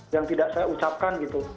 yang tidak saya ucapkan gitu